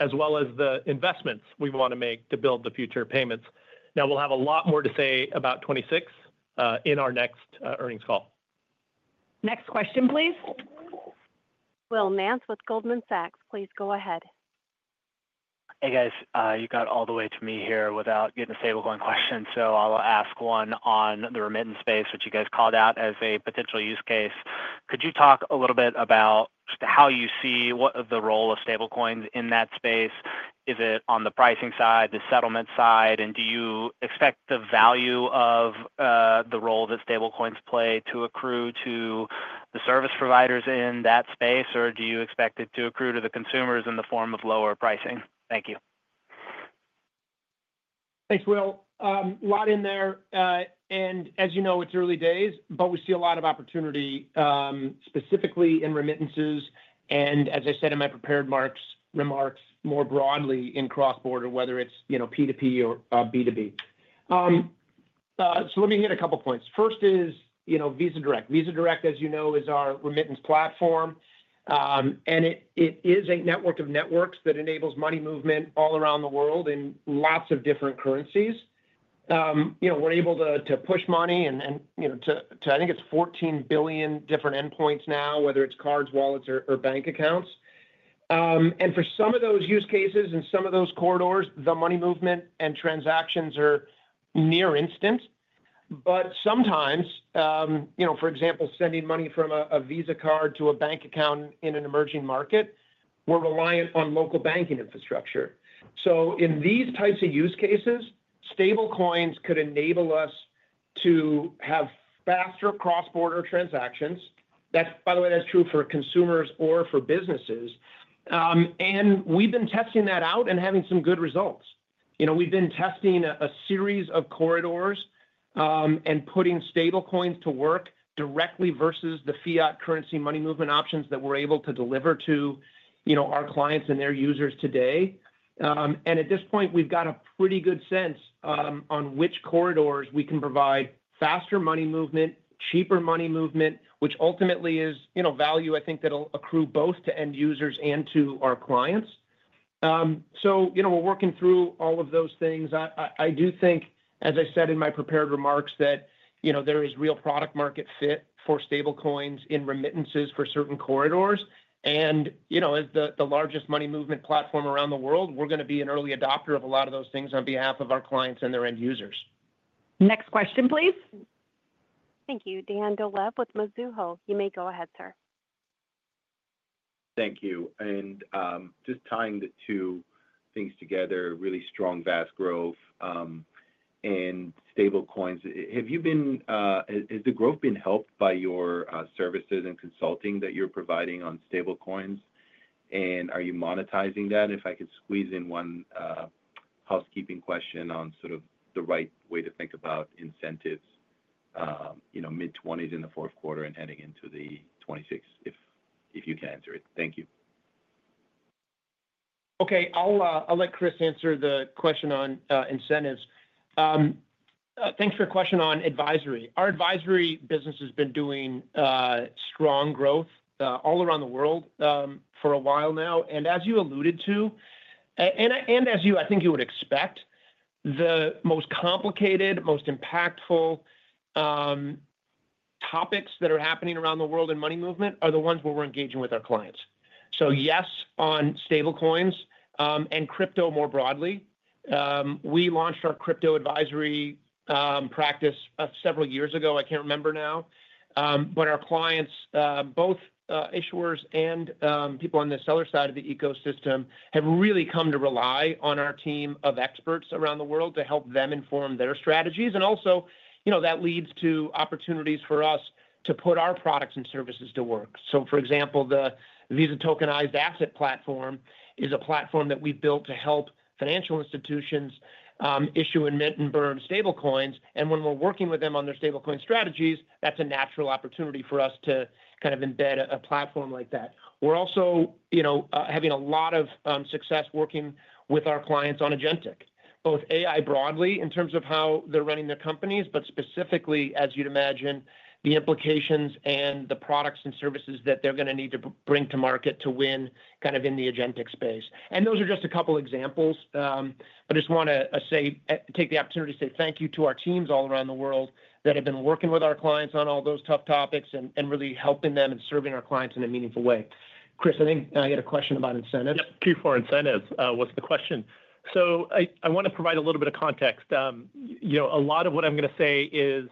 as well as the investments we want to make to build the future payments. We will have a lot more to say about 2026 in our next earnings call. Next question, please. Will Nance with Goldman Sachs, please go ahead. Hey, guys. You got all the way to me here without getting a stablecoin question. I will ask one on the remittance space, which you guys called out as a potential use case. Could you talk a little bit about how you see the role of stablecoins in that space? Is it on the pricing side, the settlement side, and do you expect the value of the role that stablecoins play to accrue to the service providers in that space, or do you expect it to accrue to the consumers in the form of lower pricing? Thank you. Thanks, Will. A lot in there. As you know, it's early days, but we see a lot of opportunity, specifically in remittances, and as I said in my prepared remarks, more broadly in cross-border, whether it's P2P or B2B. Let me hit a couple of points. First is Visa Direct. Visa Direct, as you know, is our remittance platform, and it is a network of networks that enables money movement all around the world in lots of different currencies. We're able to push money to, I think it's 14 billion different endpoints now, whether it's cards, wallets, or bank accounts. For some of those use cases and some of those corridors, the money movement and transactions are near instant. Sometimes, for example, sending money from a Visa card to a bank account in an emerging market, we're reliant on local banking infrastructure. In these types of use cases, stablecoins could enable us to have faster cross-border transactions. By the way, that's true for consumers or for businesses. We've been testing that out and having some good results. We've been testing a series of corridors and putting stablecoins to work directly versus the fiat currency money movement options that we're able to deliver to our clients and their users today. At this point, we've got a pretty good sense on which corridors we can provide faster money movement, cheaper money movement, which ultimately is value, I think, that will accrue both to end users and to our clients. We're working through all of those things. I do think, as I said in my prepared remarks, that there is real product-market fit for stablecoins in remittances for certain corridors. As the largest money movement platform around the world, we're going to be an early adopter of a lot of those things on behalf of our clients and their end users. Next question, please. Thank you. Dan Dolev with Mizuho. You may go ahead, sir. Thank you. Just tying the two things together, really strong VAS growth and stablecoins. Has the growth been helped by your services and consulting that you're providing on stablecoins? Are you monetizing that? If I could squeeze in one housekeeping question on sort of the right way to think about incentives, mid-20s in the fourth quarter and heading into the 2026, if you can answer it. Thank you. Okay. I'll let Chris answer the question on incentives. Thanks for your question on advisory. Our advisory business has been doing strong growth all around the world for a while now. As you alluded to, and as I think you would expect, the most complicated, most impactful topics that are happening around the world in money movement are the ones where we're engaging with our clients. Yes, on stablecoins and crypto more broadly. We launched our crypto advisory practice several years ago. I can't remember now. Our clients, both issuers and people on the seller side of the ecosystem, have really come to rely on our team of experts around the world to help them inform their strategies. That leads to opportunities for us to put our products and services to work. For example, the Visa Tokenized Asset Platform is a platform that we have built to help financial institutions issue and mint and burn stablecoins. When we are working with them on their stablecoin strategies, that is a natural opportunity for us to kind of embed a platform like that. We are also having a lot of success working with our clients on agentic, both AI broadly in terms of how they are running their companies, but specifically, as you would imagine, the implications and the products and services that they are going to need to bring to market to win kind of in the agentic space. Those are just a couple of examples. I just want to take the opportunity to say thank you to our teams all around the world that have been working with our clients on all those tough topics and really helping them and serving our clients in a meaningful way. Chris, I think I had a question about incentives. Yep. Q4 incentives was the question. I want to provide a little bit of context. A lot of what I'm going to say is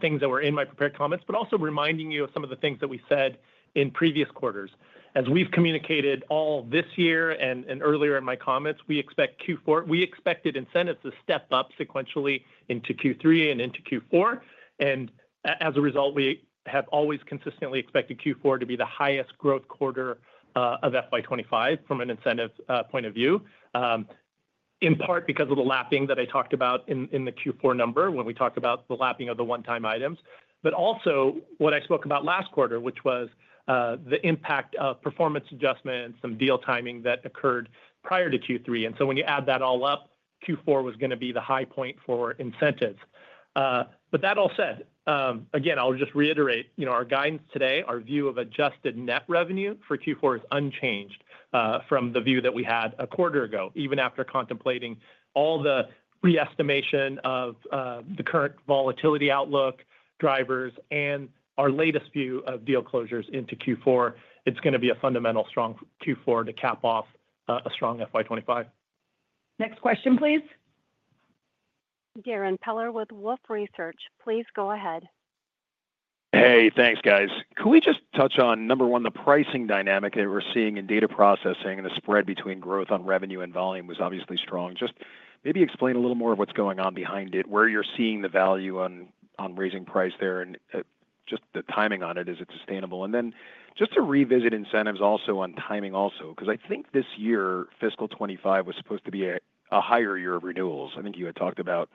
things that were in my prepared comments, but also reminding you of some of the things that we said in previous quarters. As we've communicated all this year and earlier in my comments, we expected incentives to step up sequentially into Q3 and into Q4. As a result, we have always consistently expected Q4 to be the highest growth quarter of FY25 from an incentive point of view, in part because of the lapping that I talked about in the Q4 number when we talked about the lapping of the one-time items. Also, what I spoke about last quarter, which was the impact of performance adjustment and some deal timing that occurred prior to Q3. When you add that all up, Q4 was going to be the high point for incentives. That all said, again, I'll just reiterate our guidance today. Our view of adjusted net revenue for Q4 is unchanged from the view that we had a quarter ago, even after contemplating all the re-estimation of the current volatility outlook drivers and our latest view of deal closures into Q4. It's going to be a fundamental strong Q4 to cap off a strong FY25. Next question, please. Darren Peller with Wolfe Research. Please go ahead. Hey, thanks, guys. Could we just touch on, number one, the pricing dynamic that we're seeing in data processing and the spread between growth on revenue and volume was obviously strong. Just maybe explain a little more of what's going on behind it, where you're seeing the value on raising price there and just the timing on it. Is it sustainable? And then just to revisit incentives also on timing also, because I think this year, fiscal 2025, was supposed to be a higher year of renewals. I think you had talked about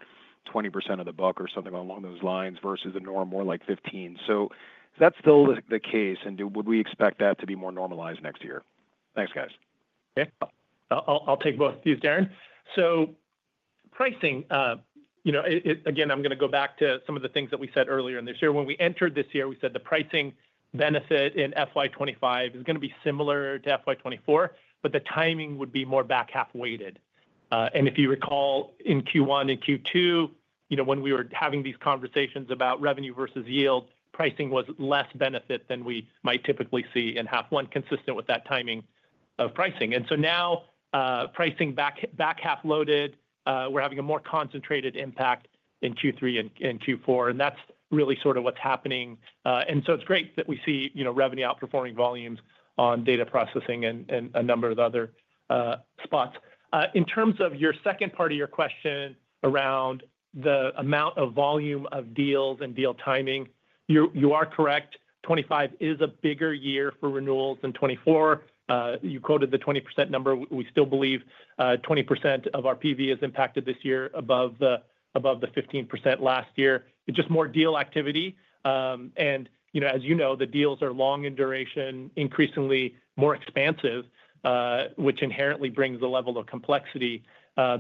20% of the book or something along those lines versus a norm more like 15%. Is that still the case? And would we expect that to be more normalized next year? Thanks, guys. Okay. I'll take both of these, Darren. Pricing, again, I'm going to go back to some of the things that we said earlier in this year. When we entered this year, we said the pricing benefit in FY2025 is going to be similar to FY2024, but the timing would be more back half-weighted. If you recall in Q1 and Q2, when we were having these conversations about revenue versus yield, pricing was less benefit than we might typically see in half-one consistent with that timing of pricing. Pricing is now back half-loaded, and we're having a more concentrated impact in Q3 and Q4. That's really sort of what's happening. It's great that we see revenue outperforming volumes on data processing and a number of other spots. In terms of your second part of your question around the amount of volume of deals and deal timing, you are correct. 2025 is a bigger year for renewals than 2024. You quoted the 20% number. We still believe 20% of our PV is impacted this year above the 15% last year. It is just more deal activity. As you know, the deals are long in duration, increasingly more expansive, which inherently brings the level of complexity.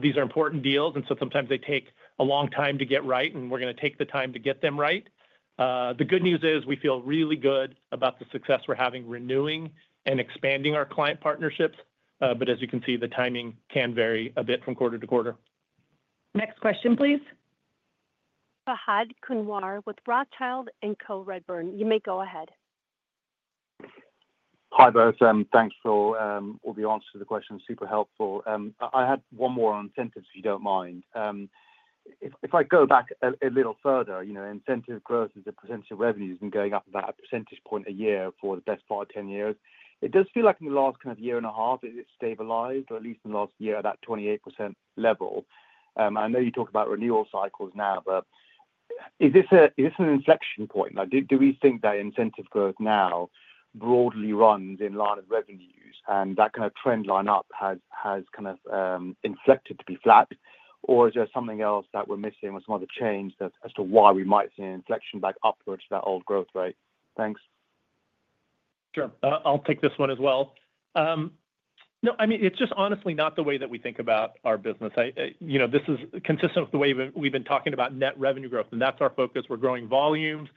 These are important deals, and sometimes they take a long time to get right, and we are going to take the time to get them right. The good news is we feel really good about the success we are having renewing and expanding our client partnerships. As you can see, the timing can vary a bit from quarter to quarter. Next question, please. Fahad Kunwar with Rothschild & Co. You may go ahead. Hi there. Thanks for all the answers to the question. Super helpful. I had one more on incentives, if you do not mind. If I go back a little further, incentive growth is a percentage of revenues and going up about a percentage point a year for the best part of 10 years. It does feel like in the last kind of year and a half, it stabilized, or at least in the last year, at that 28% level. I know you talk about renewal cycles now, but is this an inflection point? Do we think that incentive growth now broadly runs in line of revenues and that kind of trend line up has kind of inflected to be flat, or is there something else that we are missing or some other change as to why we might see an inflection back upwards to that old growth rate? Thanks. Sure. I'll take this one as well. No, I mean, it's just honestly not the way that we think about our business. This is consistent with the way we've been talking about net revenue growth, and that's our focus. We're growing volumes.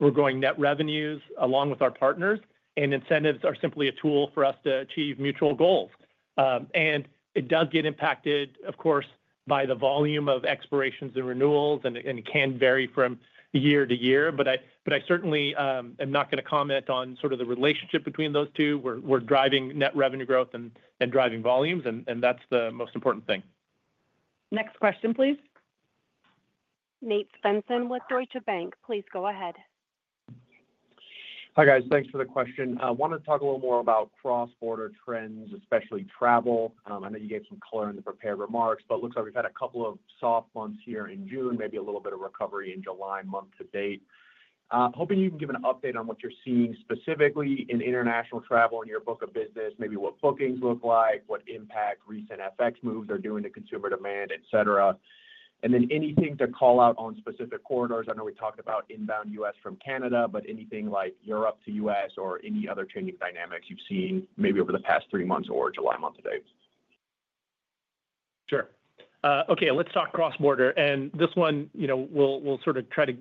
We're growing net revenues along with our partners, and incentives are simply a tool for us to achieve mutual goals. It does get impacted, of course, by the volume of expirations and renewals, and it can vary from year to year. I certainly am not going to comment on sort of the relationship between those two. We're driving net revenue growth and driving volumes, and that's the most important thing. Next question, please. Nate Svensson with Deutsche Bank. Please go ahead. Hi, guys. Thanks for the question. I wanted to talk a little more about cross-border trends, especially travel. I know you gave some color in the prepared remarks, but it looks like we've had a couple of soft months here in June, maybe a little bit of recovery in July month to date. Hoping you can give an update on what you're seeing specifically in international travel in your book of business, maybe what bookings look like, what impact recent FX moves are doing to consumer demand, etc. Anything to call out on specific corridors. I know we talked about inbound U.S. from Canada, but anything like Europe to U.S. or any other changing dynamics you've seen maybe over the past three months or July month to date. Sure. Okay. Let's talk cross-border. This one, we'll sort of try to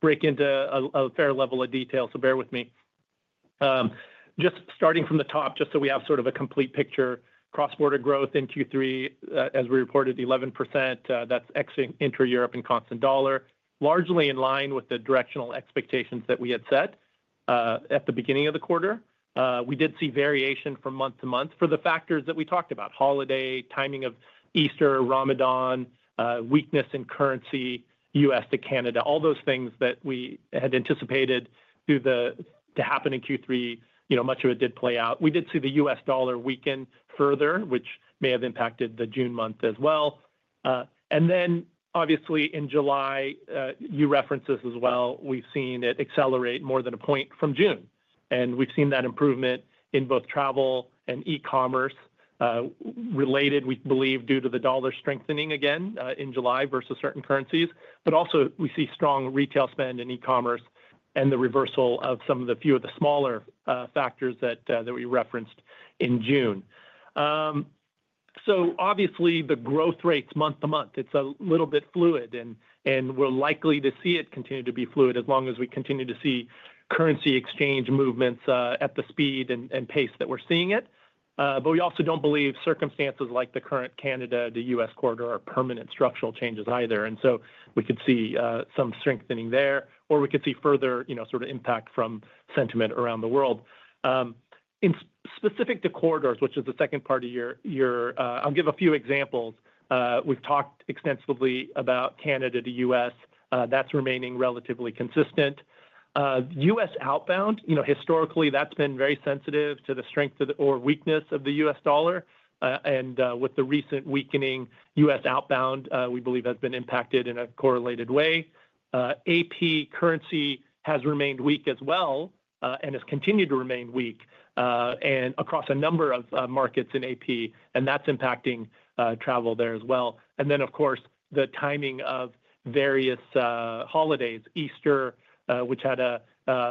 break into a fair level of detail, so bear with me. Just starting from the top, just so we have sort of a complete picture, cross-border growth in Q3, as we reported, 11%. That is exiting into Europe in constant dollar, largely in line with the directional expectations that we had set at the beginning of the quarter. We did see variation from month to month for the factors that we talked about: holiday, timing of Easter, Ramadan, weakness in currency, US to Canada, all those things that we had anticipated to happen in Q3. Much of it did play out. We did see the US dollar weaken further, which may have impacted the June month as well. Obviously, in July, you referenced this as well. We have seen it accelerate more than a point from June. We have seen that improvement in both travel and e-commerce related, we believe, due to the dollar strengthening again in July versus certain currencies. We also see strong retail spend in e-commerce and the reversal of a few of the smaller factors that we referenced in June. Obviously, the growth rates month to month, it's a little bit fluid, and we're likely to see it continue to be fluid as long as we continue to see currency exchange movements at the speed and pace that we're seeing it. We also do not believe circumstances like the current Canada to U.S. corridor are permanent structural changes either. We could see some strengthening there, or we could see further sort of impact from sentiment around the world. Specific to corridors, which is the second part of your—I will give a few examples. We have talked extensively about Canada to U.S. That is remaining relatively consistent. U.S. outbound, historically, that has been very sensitive to the strength or weakness of the U.S. dollar. With the recent weakening, US outbound, we believe, has been impacted in a correlated way. AP currency has remained weak as well and has continued to remain weak across a number of markets in AP, and that is impacting travel there as well. Of course, the timing of various holidays. Easter, which had a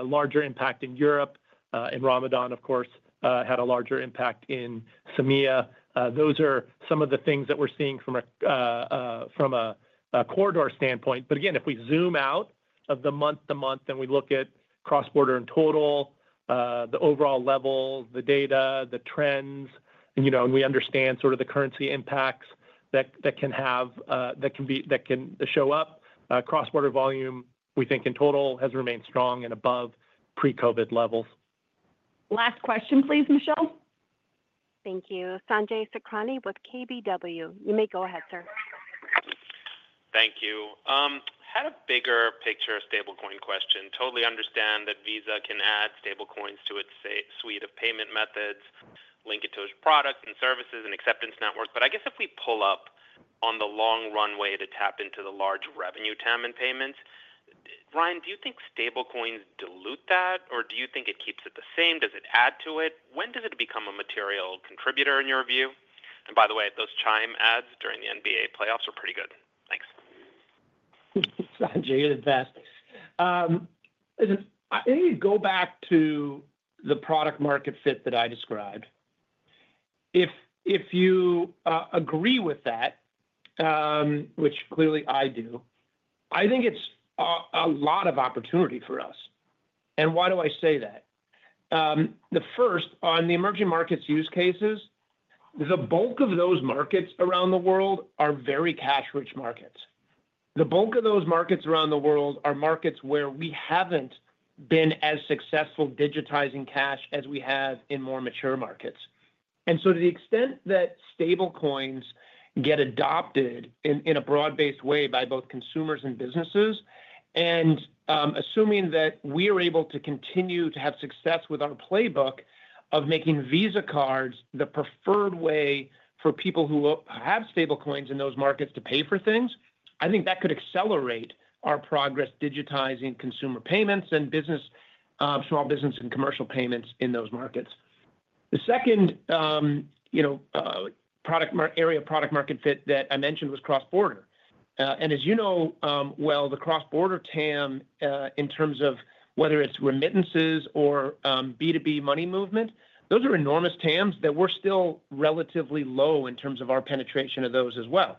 larger impact in Europe, and Ramadan, of course, had a larger impact in Samea. Those are some of the things that we are seeing from a corridor standpoint. Again, if we zoom out of the month to month and we look at cross-border in total, the overall level, the data, the trends, and we understand sort of the currency impacts that can have—that can show up. Cross-border volume, we think in total, has remained strong and above pre-COVID levels. Last question, please, Michelle. Thank you. Sanjay Sakhrani with KBW. You may go ahead, sir. Thank you. Had a bigger picture of stablecoin question. Totally understand that Visa can add stablecoins to its suite of payment methods, link it to its products and services and acceptance network. I guess if we pull up on the long runway to tap into the large revenue TAM and payments, Ryan, do you think stablecoins dilute that, or do you think it keeps it the same? Does it add to it? When does it become a material contributor in your view? By the way, those Chime ads during the NBA playoffs were pretty good. Thanks. Sanjay, you're the best. I think you go back to the product-market fit that I described. If you agree with that, which clearly I do, I think it's a lot of opportunity for us. Why do I say that? The first, on the emerging markets use cases, the bulk of those markets around the world are very cash-rich markets. The bulk of those markets around the world are markets where we haven't been as successful digitizing cash as we have in more mature markets. To the extent that stablecoins get adopted in a broad-based way by both consumers and businesses, and assuming that we are able to continue to have success with our playbook of making Visa cards the preferred way for people who have stablecoins in those markets to pay for things, I think that could accelerate our progress digitizing consumer payments and small business and commercial payments in those markets. The second area of product-market fit that I mentioned was cross-border. As you know well, the cross-border TAM, in terms of whether it is remittances or B2B money movement, those are enormous TAMs that we are still relatively low in terms of our penetration of those as well.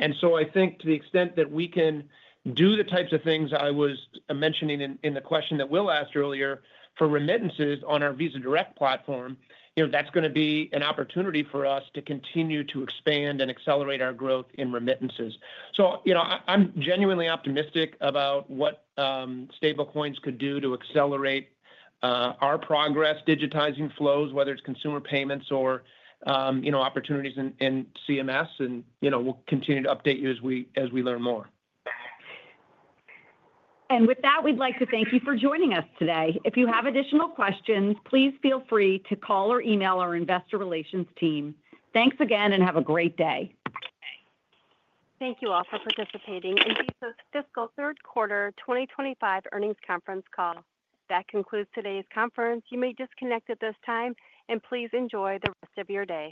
I think to the extent that we can do the types of things I was mentioning in the question that Will asked earlier for remittances on our Visa Direct platform, that is going to be an opportunity for us to continue to expand and accelerate our growth in remittances. I am genuinely optimistic about what stablecoins could do to accelerate our progress digitizing flows, whether it is consumer payments or opportunities in CMS, and we will continue to update you as we learn more. With that, we would like to thank you for joining us today. If you have additional questions, please feel free to call or email our investor relations team. Thanks again and have a great day. Thank you all for participating in Visa's fiscal third quarter 2025 earnings conference call. That concludes today's conference. You may disconnect at this time, and please enjoy the rest of your day.